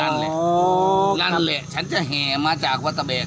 นั่นละฉันจะแหมาจากวัดสก